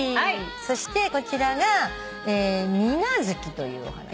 そしてこちらがミナヅキというお花。